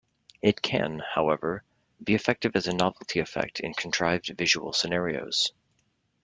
It can, however, be effective as a novelty effect in contrived visual scenarios.